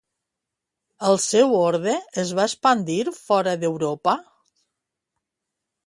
El seu orde es va expandir fora d'Europa?